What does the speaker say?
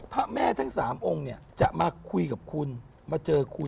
พระแม่ทั้งสามองค์เนี่ยจะมาคุยกับคุณมาเจอคุณ